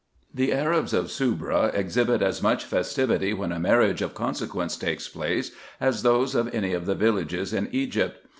The Arabs of Soubra exhibit as much festivity, when a marriage of consequence takes place, as those of any of the villages in Egypt.